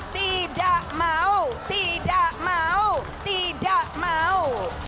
tidak mau tidak mau tidak mau